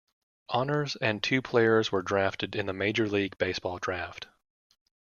Honors, and two players were drafted in the Major League Baseball draft.